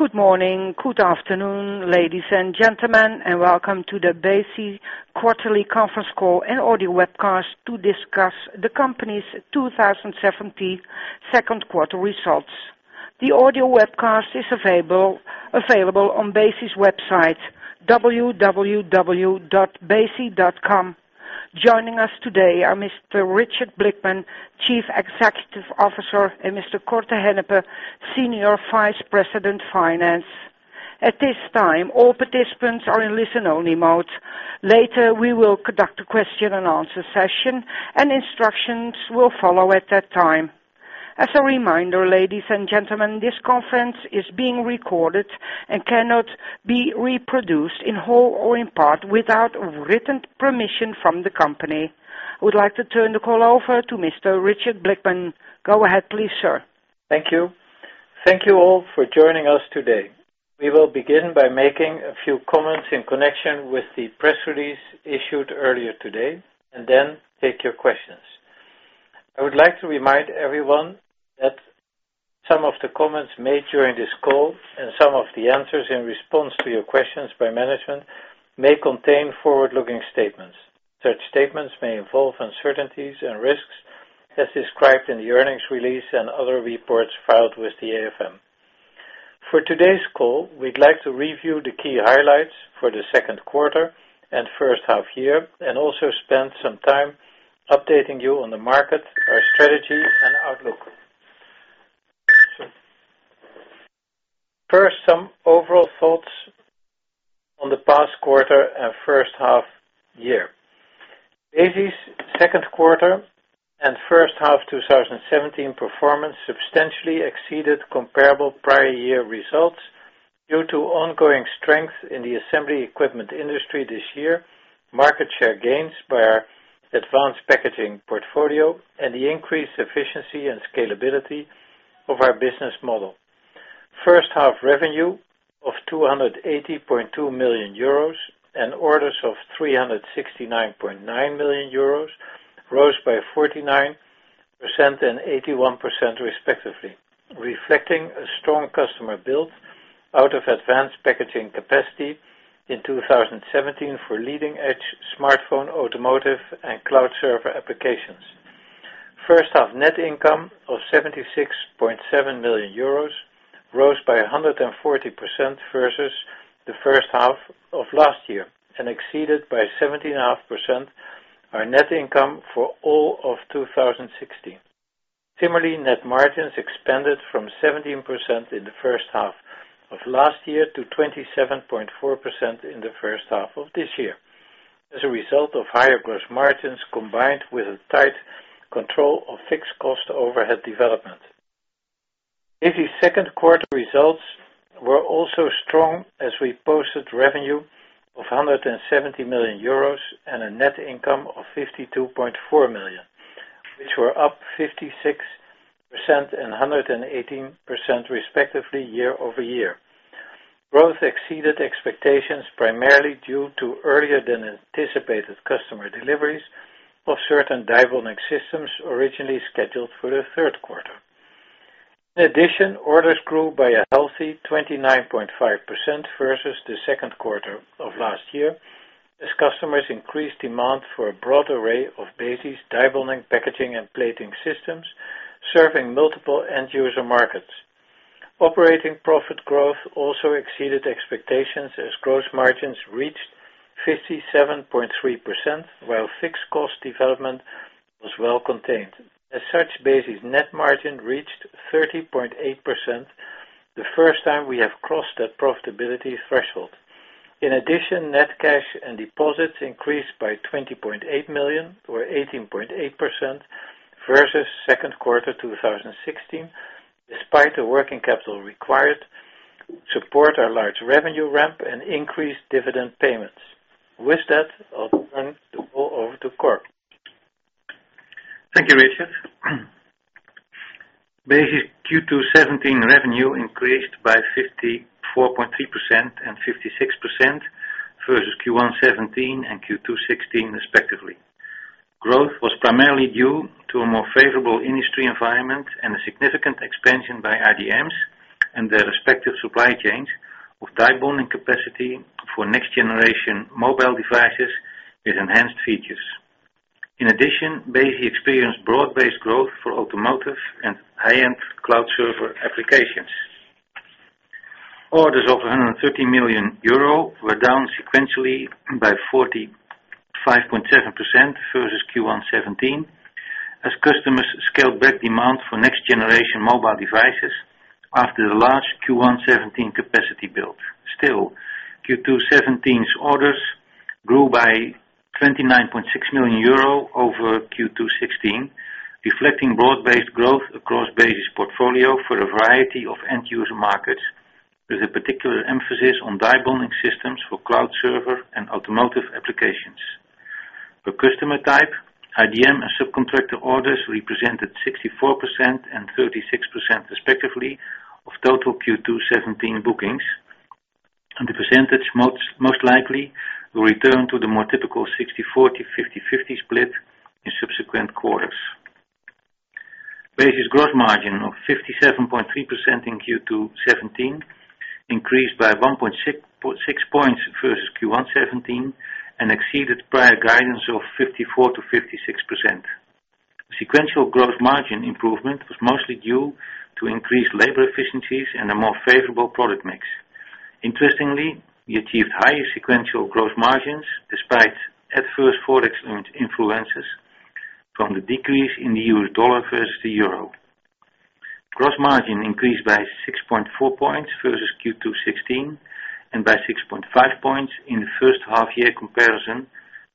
Good morning, good afternoon, ladies and gentlemen, welcome to the Besi quarterly conference call and audio webcast to discuss the company's 2017 second quarter results. The audio webcast is available on Besi's website, www.besi.com. Joining us today are Mr. Richard Blickman, Chief Executive Officer, and Mr. Cor te Hennepe, Senior Vice President, Finance. At this time, all participants are in listen-only mode. Later, we will conduct a question and answer session, instructions will follow at that time. As a reminder, ladies and gentlemen, this conference is being recorded cannot be reproduced in whole or in part without written permission from the company. I would like to turn the call over to Mr. Richard Blickman. Go ahead, please, sir. Thank you. Thank you all for joining us today. We will begin by making a few comments in connection with the press release issued earlier today, then take your questions. I would like to remind everyone that some of the comments made during this call and some of the answers in response to your questions by management may contain forward-looking statements. Such statements may involve uncertainties and risks as described in the earnings release and other reports filed with the AFM. For today's call, we'd like to review the key highlights for the second quarter and first half year, also spend some time updating you on the market, our strategy, and outlook. First, some overall thoughts on the past quarter and first half year. Besi's second quarter and first half 2017 performance substantially exceeded comparable prior year results due to ongoing strength in the assembly equipment industry this year, market share gains by our advanced packaging portfolio, the increased efficiency and scalability of our business model. First half revenue of 280.2 million euros and orders of 369.9 million euros rose by 49% and 81% respectively, reflecting a strong customer build out of advanced packaging capacity in 2017 for leading-edge smartphone, automotive, and cloud server applications. First-half net income of 76.7 million euros rose by 140% versus the first half of last year exceeded by 17.5% our net income for all of 2016. Similarly, net margins expanded from 17% in the first half of last year to 27.4% in the first half of this year, as a result of higher gross margins, combined with a tight control of fixed cost overhead development. Besi's second quarter results were also strong as we posted revenue of 170 million euros and a net income of 52.4 million, which were up 56% and 118%, respectively, year-over-year. Growth exceeded expectations primarily due to earlier than anticipated customer deliveries of certain die bonding systems originally scheduled for the third quarter. In addition, orders grew by a healthy 29.5% versus the second quarter of last year as customers increased demand for a broad array of Besi's die bonding, packaging, and plating systems serving multiple end-user markets. Operating profit growth also exceeded expectations as gross margins reached 57.3%, while fixed cost development was well contained. As such, Besi's net margin reached 30.8%, the first time we have crossed that profitability threshold. In addition, net cash and deposits increased by 20.8 million or 18.8% versus second quarter 2016, despite the working capital required to support our large revenue ramp and increased dividend payments. With that, I'll turn the call over to Cor. Thank you, Richard. Besi's Q2 '17 revenue increased by 54.3% and 56% versus Q1 '17 and Q2 '16 respectively. Growth was primarily due to a more favorable industry environment and a significant expansion by IDMs and their respective supply chains of die bonding capacity for next-generation mobile devices with enhanced features. In addition, Besi experienced broad-based growth for automotive and high-end cloud server applications. Orders of 130 million euro were down sequentially by 45.7% versus Q1 '17 as customers scaled back demand for next-generation mobile devices after the large Q1 '17 capacity build. Still, Q2 '17's orders grew by 29.6 million euro over Q2 '16, reflecting broad-based growth across Besi's portfolio for a variety of end-user markets, with a particular emphasis on die bonding systems for cloud server and automotive applications. Per customer type, IDM and subcontractor orders represented 64% and 36% respectively of total Q2 '17 bookings. Percentage most likely will return to the more typical 60/40, 50/50 split in subsequent quarters. Besi's gross margin of 57.3% in Q2 '17 increased by 1.6 points versus Q1 '17 and exceeded prior guidance of 54%-56%. Sequential gross margin improvement was mostly due to increased labor efficiencies and a more favorable product mix. Interestingly, we achieved higher sequential gross margins despite adverse Forex influences from the decrease in the US dollar versus the euro. Gross margin increased by 6.4 points versus Q2 '16, and by 6.5 points in the first half-year comparison,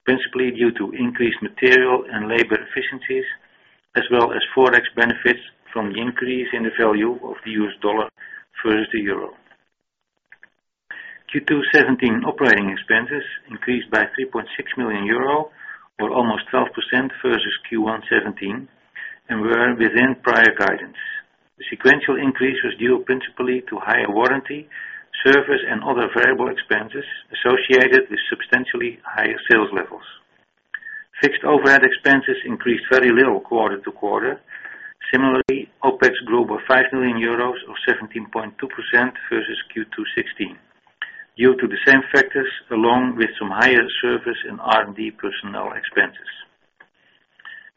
principally due to increased material and labor efficiencies as well as Forex benefits from the increase in the value of the US dollar versus the euro. Q2 '17 operating expenses increased by 3.6 million euro or almost 12% versus Q1 '17, and were within prior guidance. The sequential increase was due principally to higher warranty, service, and other variable expenses associated with substantially higher sales levels. Fixed overhead expenses increased very little quarter to quarter. Similarly, OPEX grew by 5 million euros or 17.2% versus Q2 '16 due to the same factors along with some higher service and R&D personnel expenses.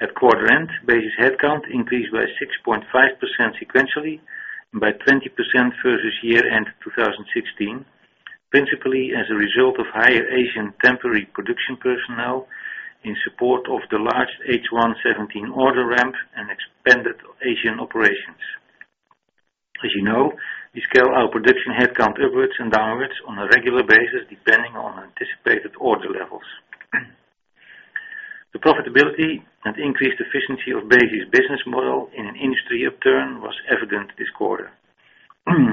At quarter end, Besi's headcount increased by 6.5% sequentially and by 20% versus year-end 2016, principally as a result of higher Asian temporary production personnel in support of the large H1 '17 order ramp and expanded Asian operations. As you know, we scale our production headcount upwards and downwards on a regular basis depending on anticipated order levels. The profitability and increased efficiency of Besi's business model in an industry upturn was evident this quarter.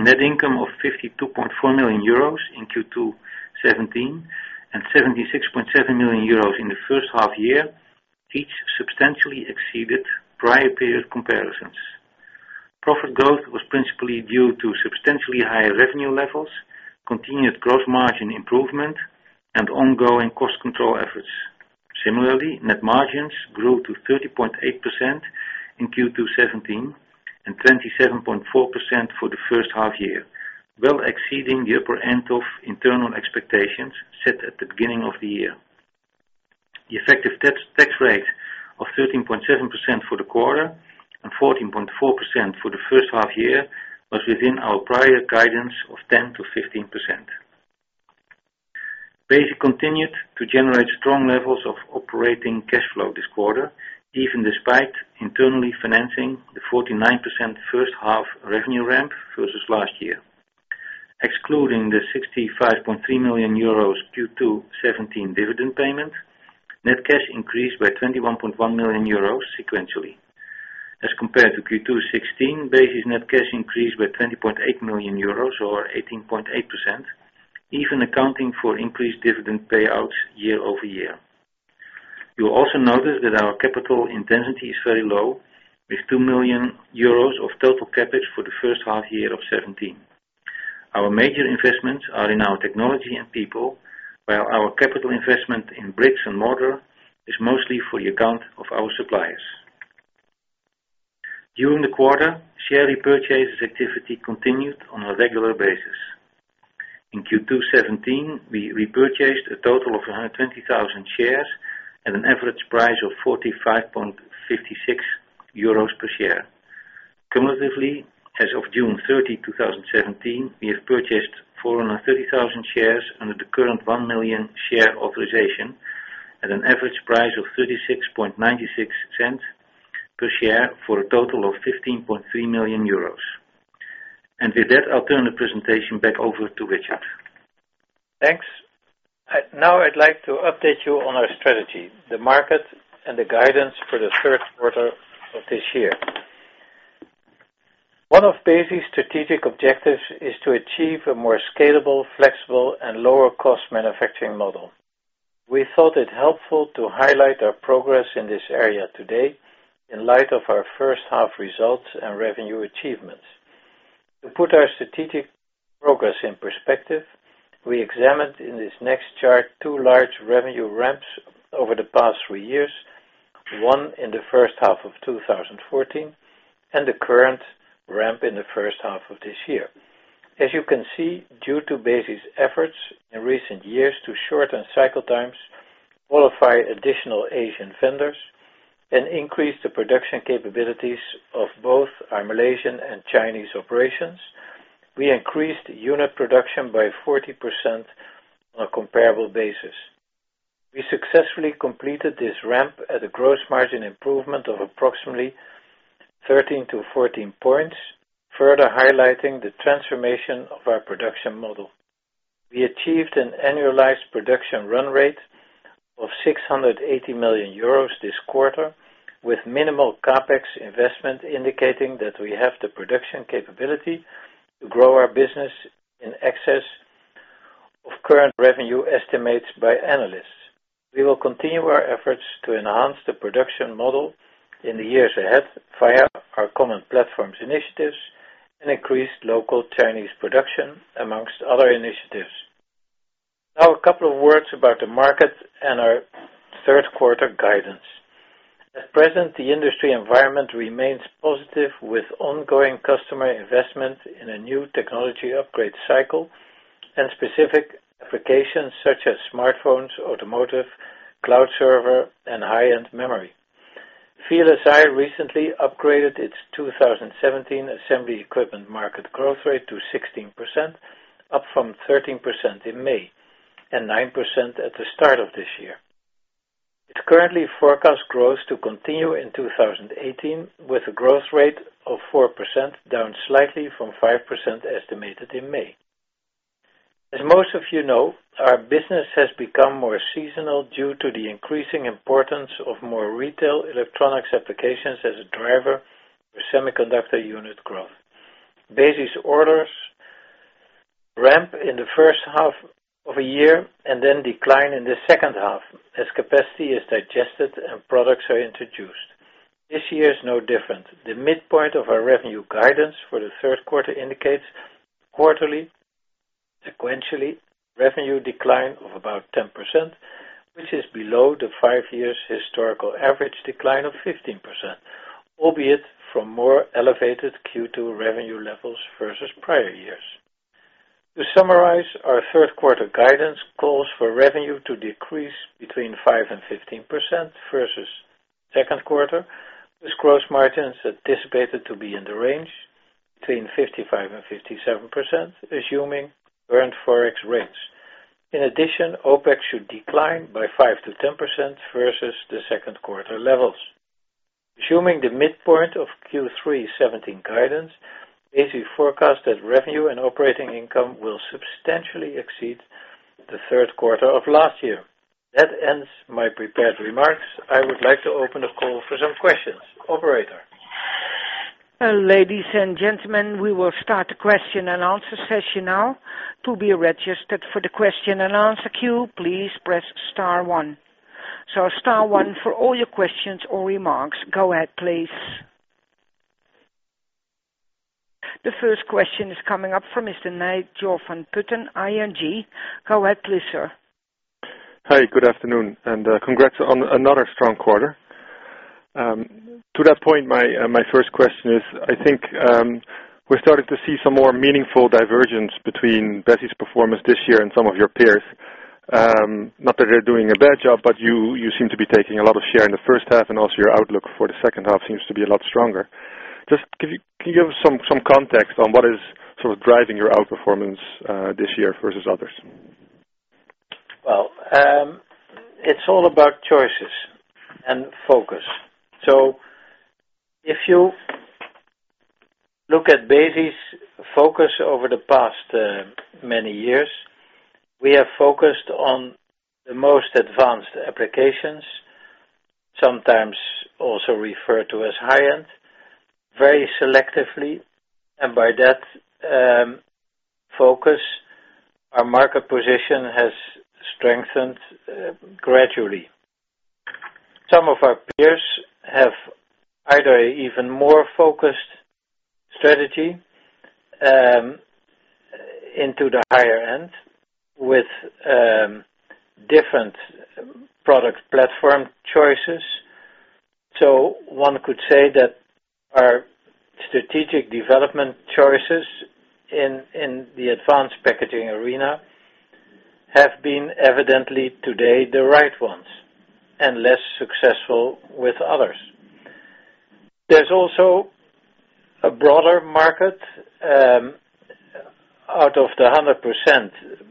Net income of 52.4 million euros in Q2 2017 and 76.7 million euros in the first half-year, each substantially exceeded prior-period comparisons. Profit growth was principally due to substantially higher revenue levels, continued gross margin improvement, and ongoing cost control efforts. Similarly, net margins grew to 30.8% in Q2 2017 and 27.4% for the first half-year, well exceeding the upper end of internal expectations set at the beginning of the year. The effective tax rate of 13.7% for the quarter and 14.4% for the first half-year was within our prior guidance of 10%-15%. Besi continued to generate strong levels of operating cash flow this quarter, even despite internally financing the 49% first-half revenue ramp versus last year. Excluding the 65.3 million euros Q2 2017 dividend payment, net cash increased by 21.1 million euros sequentially. As compared to Q2 2016, Besi's net cash increased by 20.8 million euros or 18.8%, even accounting for increased dividend payouts year-over-year. You will also notice that our capital intensity is very low with 2 million euros of total CapEx for the first half-year of 2017. Our major investments are in our technology and people, while our capital investment in bricks and mortar is mostly for the account of our suppliers. During the quarter, share repurchase activity continued on a regular basis. In Q2 2017, we repurchased a total of 120,000 shares at an average price of 45.56 euros per share. Cumulatively, as of June 30, 2017, we have purchased 430,000 shares under the current 1 million share authorization at an average price of 36.96 Per share for a total of 15.3 million euros. With that, I'll turn the presentation back over to Richard. Thanks. I'd like to update you on our strategy, the market, and the guidance for the third quarter of this year. One of Besi's strategic objectives is to achieve a more scalable, flexible, and lower-cost manufacturing model. We thought it helpful to highlight our progress in this area today in light of our first-half results and revenue achievements. To put our strategic progress in perspective, we examined in this next chart two large revenue ramps over the past three years, one in the first half of 2014 and the current ramp in the first half of this year. As you can see, due to Besi's efforts in recent years to shorten cycle times, qualify additional Asian vendors, and increase the production capabilities of both our Malaysian and Chinese operations, we increased unit production by 40% on a comparable basis. We successfully completed this ramp at a gross margin improvement of approximately 13-14 points, further highlighting the transformation of our production model. We achieved an annualized production run rate of 680 million euros this quarter with minimal CapEx investment, indicating that we have the production capability to grow our business in excess of current revenue estimates by analysts. We will continue our efforts to enhance the production model in the years ahead via our common platforms initiatives and increased local Chinese production, amongst other initiatives. A couple of words about the market and our third quarter guidance. At present, the industry environment remains positive with ongoing customer investment in a new technology upgrade cycle and specific applications such as smartphones, automotive, cloud server, and high-end memory. VLSI Research recently upgraded its 2017 assembly equipment market growth rate to 16%, up from 13% in May, and 9% at the start of this year. It currently forecasts growth to continue in 2018 with a growth rate of 4%, down slightly from 5% estimated in May. As most of you know, our business has become more seasonal due to the increasing importance of more retail electronics applications as a driver for semiconductor unit growth. Besi's orders ramp in the first half of a year and then decline in the second half as capacity is digested and products are introduced. This year is no different. The midpoint of our revenue guidance for the third quarter indicates quarterly, sequentially, revenue decline of about 10%, which is below the five years' historical average decline of 15%, albeit from more elevated Q2 revenue levels versus prior years. To summarize, our third quarter guidance calls for revenue to decrease between 5% and 15% versus second quarter, with gross margins anticipated to be in the range between 55% and 57%, assuming current Forex rates. In addition, OPEX should decline by 5%-10% versus the second quarter levels. Assuming the midpoint of Q3 2017 guidance, Besi forecast that revenue and operating income will substantially exceed the third quarter of last year. That ends my prepared remarks. I would like to open the call for some questions. Operator. Ladies and gentlemen, we will start the question and answer session now. To be registered for the question and answer queue, please press star one. Star one for all your questions or remarks. Go ahead, please. The first question is coming up from Mr. Nigel van Putten, ING. Go ahead, please, sir. Hi, good afternoon, and congrats on another strong quarter. To that point, my first question is, I think we're starting to see some more meaningful divergence between Besi's performance this year and some of your peers. Not that they're doing a bad job, but you seem to be taking a lot of share in the first half, and also your outlook for the second half seems to be a lot stronger. Just, can you give some context on what is sort of driving your outperformance this year versus others? It is all about choices and focus. If you look at Besi's focus over the past many years, we are focused on the most advanced applications, sometimes also referred to as high-end, very selectively, and by that focus, our market position has strengthened gradually. Some of our peers have either an even more focused strategy into the higher end with different product platform choices. One could say that our strategic development choices in the advanced packaging arena have been evidently today the right ones and less successful with others. There is also a broader market, out of the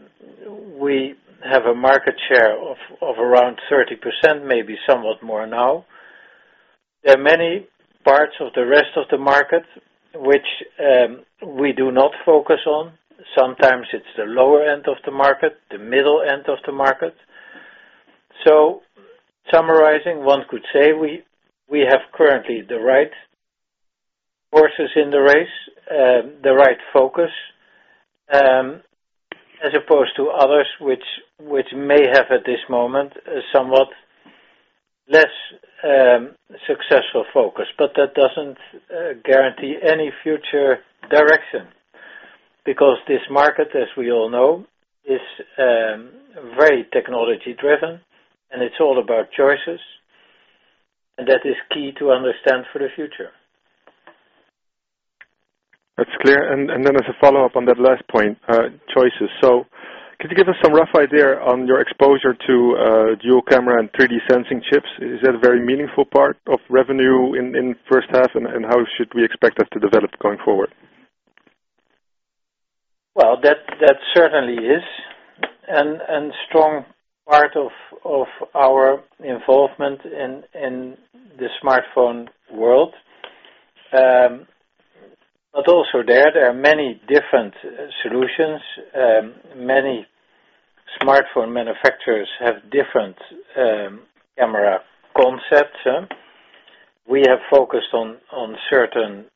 100%, we have a market share of around 30%, maybe somewhat more now. Sometimes it is the lower end of the market, the middle end of the market. Summarizing, one could say we have currently the right horses in the race, the right focus, as opposed to others, which may have at this moment, a somewhat less successful focus. That does not guarantee any future direction because this market, as we all know, is very technology-driven, and it is all about choices, and that is key to understand for the future. That is clear. As a follow-up on that last point, choices. Could you give us some rough idea on your exposure to dual-camera and 3D sensing chips? Is that a very meaningful part of revenue in first half, and how should we expect that to develop going forward? That certainly is, and strong part of our involvement in the smartphone world. Also there are many different solutions. Many smartphone manufacturers have different camera concepts. We have focused on certain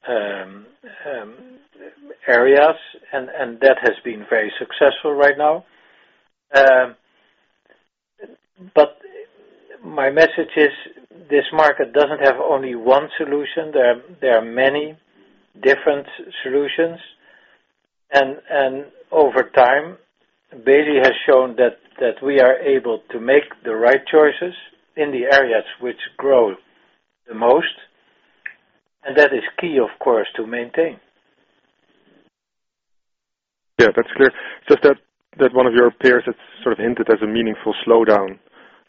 areas, and that has been very successful right now. My message is, this market does not have only one solution, there are many different solutions. Over time, Besi has shown that we are able to make the right choices in the areas which grow the most, and that is key, of course, to maintain. Yeah, that's clear. That one of your peers has sort of hinted as a meaningful slowdown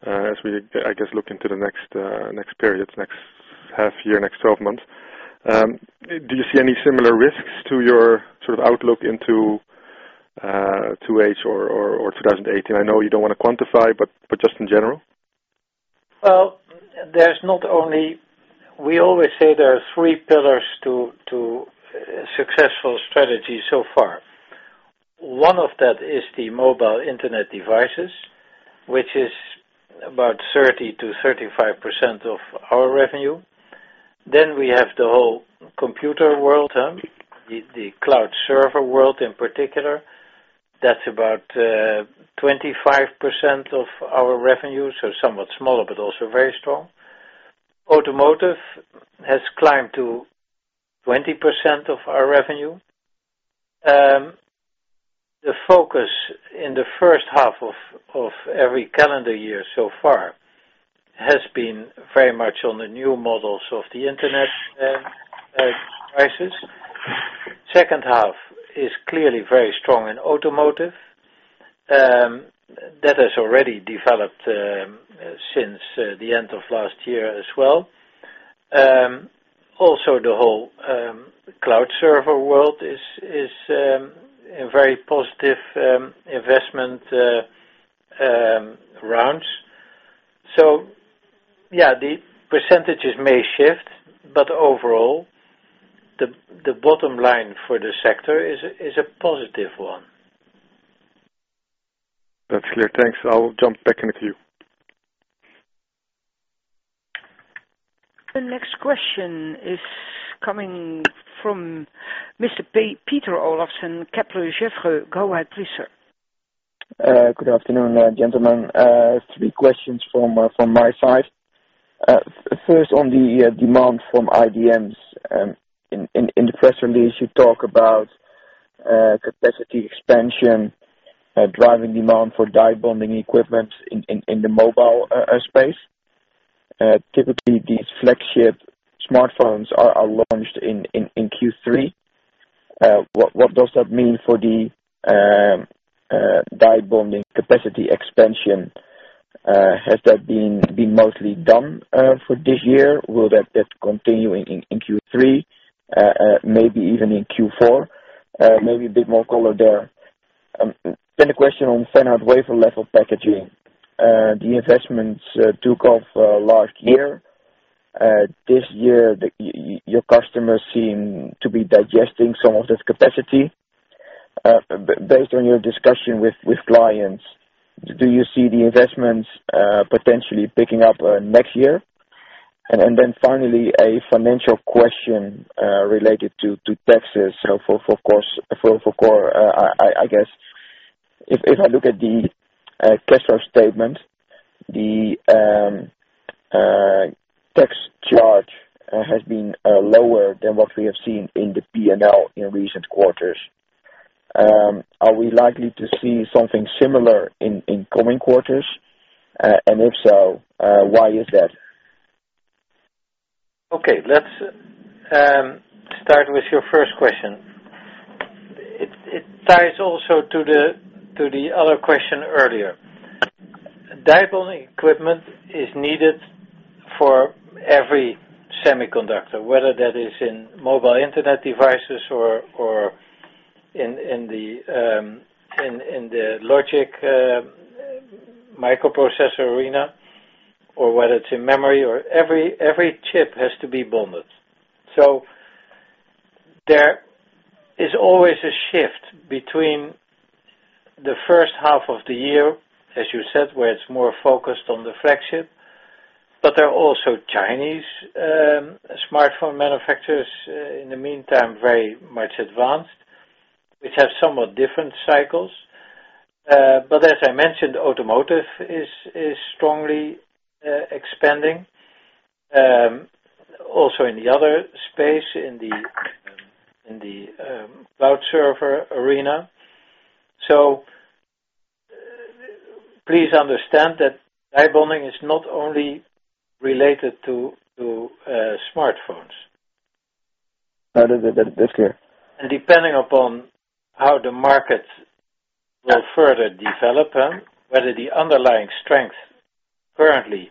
as we, I guess, look into the next period, next half year, next 12 months. Do you see any similar risks to your outlook into H2 or 2018? I know you don't want to quantify, just in general. Well, we always say there are three pillars to a successful strategy so far. One of that is the mobile internet devices, which is about 30%-35% of our revenue. We have the whole computer world, the cloud server world in particular. That's about 25% of our revenue, somewhat smaller, also very strong. Automotive has climbed to 20% of our revenue. The focus in the first half of every calendar year so far has been very much on the new models of the internet devices. Second half is clearly very strong in automotive. That has already developed since the end of last year as well. The whole cloud server world is a very positive investment round. Yeah, the percentages may shift, overall, the bottom line for the sector is a positive one. That's clear. Thanks. I'll jump back in the queue. The next question is coming from Mr. Peter Olofsen, Kepler Cheuvreux. Go ahead, please, sir. Good afternoon, gentlemen. Three questions from my side. First on the demand from IDMs. In the press release, you talk about capacity expansion, driving demand for die bonding equipment in the mobile space. Typically, these flagship smartphones are launched in Q3. What does that mean for the die bonding capacity expansion? Has that been mostly done for this year? Will that continue in Q3, maybe even in Q4? Maybe a bit more color there. A question on fan-out wafer level packaging. The investments took off last year. This year, your customers seem to be digesting some of this capacity. Based on your discussion with clients, do you see the investments potentially picking up next year? Finally, a financial question related to taxes. For Cor, I guess if I look at the cash flow statement, the tax charge has been lower than what we have seen in the P&L in recent quarters. Are we likely to see something similar in coming quarters, and if so, why is that? Okay. Let's start with your first question. It ties also to the other question earlier. Die bonding equipment is needed for every semiconductor, whether that is in mobile internet devices or in the logic microprocessor arena, or whether it's in memory or every chip has to be bonded. There is always a shift between the first half of the year, as you said, where it's more focused on the flagship. There are also Chinese smartphone manufacturers in the meantime, very much advanced, which have somewhat different cycles. As I mentioned, automotive is strongly expanding, also in the other space, in the cloud server arena. Please understand that die bonding is not only related to smartphones. That's clear. Depending upon how the market will further develop, whether the underlying strength currently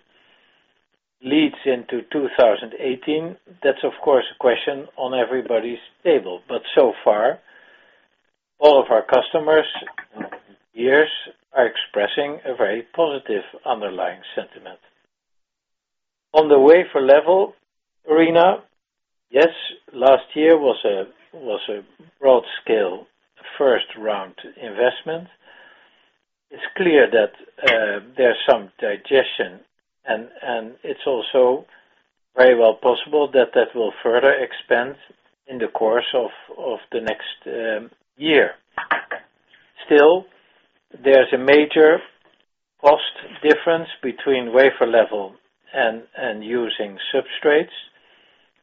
leads into 2018, that's of course a question on everybody's table. So far, all of our customers, peers, are expressing a very positive underlying sentiment. On the wafer-level arena, yes, last year was an investment. It's clear that there's some digestion, and it's also very well possible that that will further expand in the course of the next year. Still, there's a major cost difference between wafer-level and using substrates,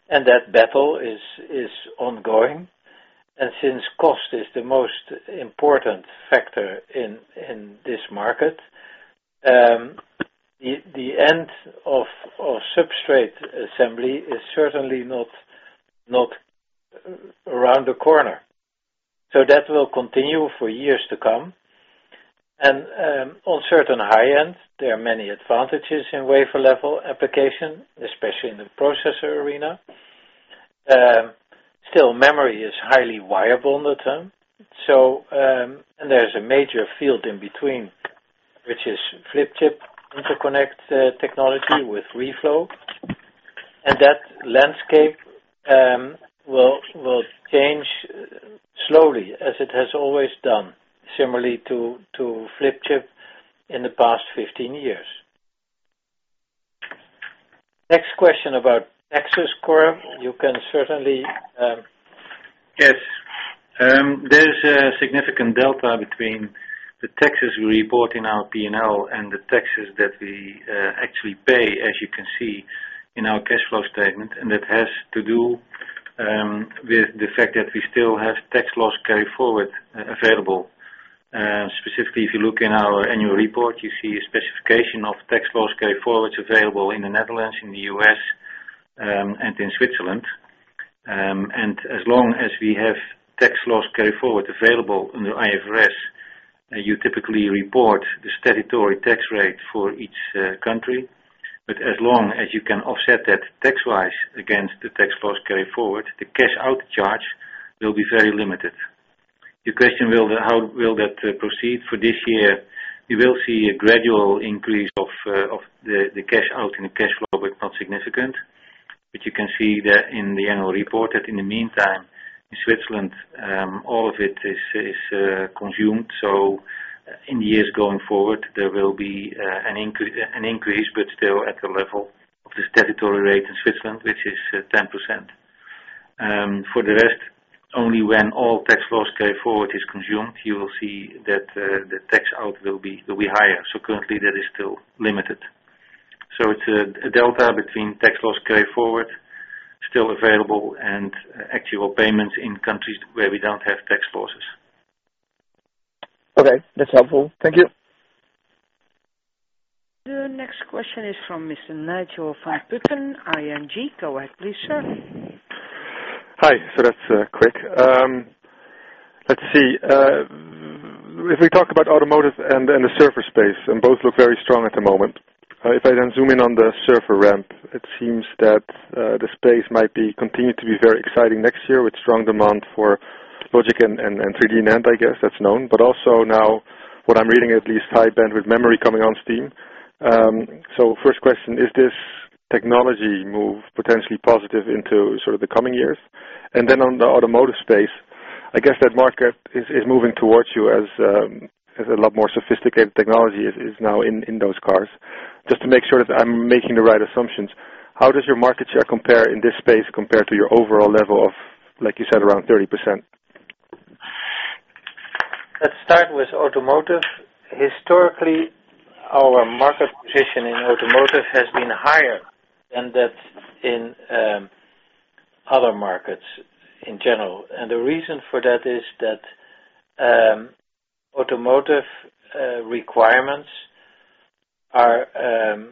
and that battle is ongoing. Since cost is the most important factor in this market, the end of substrate assembly is certainly not around the corner. That will continue for years to come. On certain high ends, there are many advantages in wafer-level application, especially in the processor arena. Still, memory is highly viable in the term. There's a major field in between, which is flip chip interconnect technology with reflow. That landscape will change slowly as it has always done, similarly to flip chip in the past 15 years. Next question about taxes, Cor. You can certainly Yes. There's a significant delta between the taxes we report in our P&L and the taxes that we actually pay, as you can see in our cash flow statement, and that has to do with the fact that we still have tax loss carry-forward available. Specifically, if you look in our annual report, you see a specification of tax loss carry-forwards available in the Netherlands, in the U.S., and in Switzerland. As long as we have tax loss carry-forward available under IFRS, you typically report the statutory tax rate for each country. As long as you can offset that tax-wise against the tax loss carry-forward, the cash-out charge will be very limited. Your question, how will that proceed for this year? We will see a gradual increase of the cash-out in the cash flow, but not significant. You can see that in the annual report that in the meantime, in Switzerland, all of it is consumed. In the years going forward, there will be an increase, but still at the level of the statutory rate in Switzerland, which is 10%. For the rest, only when all tax loss carry-forward is consumed, you will see that the tax-out will be higher. Currently, that is still limited. It's a delta between tax loss carry-forward still available and actual payments in countries where we don't have tax losses. Okay. That's helpful. Thank you. The next question is from Mr. Nigel van Putten, ING. Go ahead, please, sir. Hi. That's quick. Let's see. If we talk about automotive and the server space, and both look very strong at the moment. If I then zoom in on the server ramp, it seems that the space might continue to be very exciting next year with strong demand for logic and 3D NAND, I guess that's known, but also now what I'm reading, at least High Bandwidth Memory coming on steam. First question, is this technology move potentially positive into sort of the coming years? On the automotive space, I guess that market is moving towards you as a lot more sophisticated technology is now in those cars. Just to make sure that I'm making the right assumptions, how does your market share compare in this space compared to your overall level of, like you said, around 30%? Let's start with automotive. Historically, our market position in automotive has been higher than that in other markets in general. The reason for that is that automotive requirements are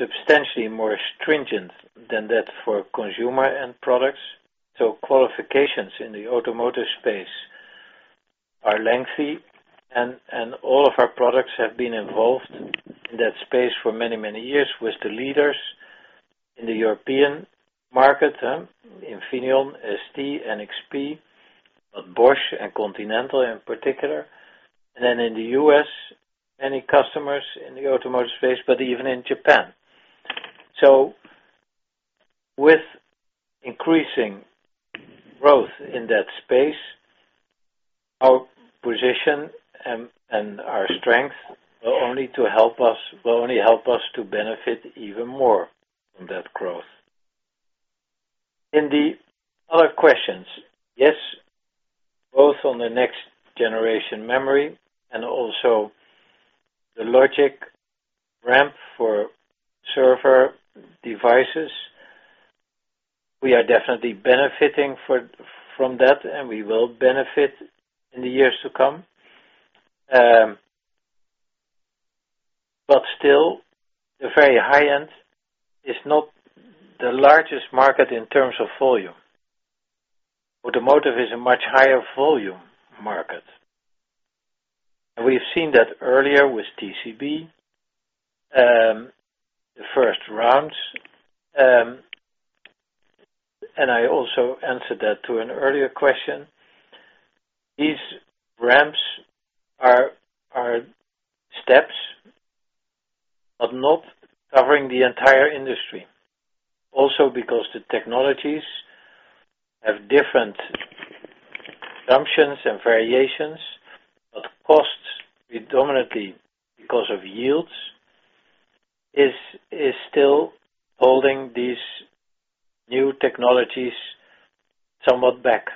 substantially more stringent than that for consumer end products. Qualifications in the automotive space are lengthy, and all of our products have been involved in that space for many, many years with the leaders in the European market, Infineon, STMicroelectronics, NXP, Bosch, and Continental in particular, and then in the U.S., many customers in the automotive space, but even in Japan. With increasing growth in that space, our position and our strength will only help us to benefit even more from that growth. In the other questions, yes, both on the next generation memory and also the logic ramp for server devices. We are definitely benefiting from that, and we will benefit in the years to come. Still, the very high-end is not the largest market in terms of volume. Automotive is a much higher volume market. We've seen that earlier with TCB, the first rounds, and I also answered that to an earlier question. These ramps are steps, but not covering the entire industry. Because the technologies have different assumptions and variations, but costs predominantly because of yields, is still holding these new technologies somewhat back.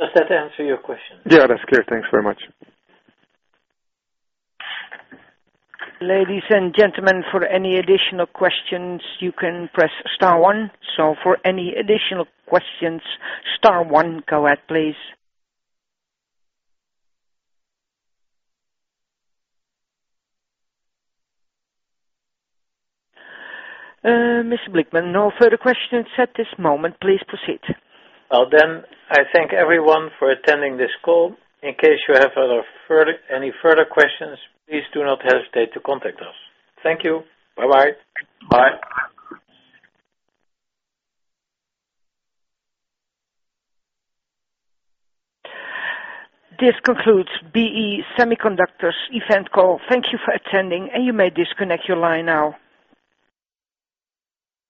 Does that answer your question? Yeah, that's clear. Thanks very much. Ladies and gentlemen, for any additional questions, you can press star one. For any additional questions, star one. Go ahead, please. Mr. Blickman, no further questions at this moment. Please proceed. I thank everyone for attending this call. In case you have any further questions, please do not hesitate to contact us. Thank you. Bye-bye. Bye. This concludes BE Semiconductor's event call. Thank you for attending, and you may disconnect your line now.